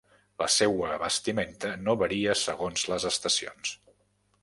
La seua vestimenta no varia segons les estacions.